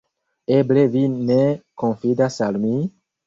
Eble vi ne konfidas al mi?